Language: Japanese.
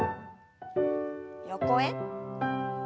横へ。